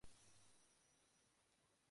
হ্যাঁ, তবে অ্যাডুল ঠিকই বলেছে!